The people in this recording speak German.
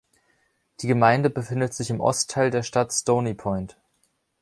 Die Gemeinde befindet sich im Ostteil der Stadt Stony Point.